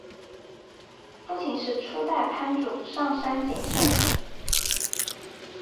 父亲是初代藩主上杉景胜。